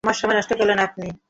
আমার সময় নষ্ট করলেন আপনি।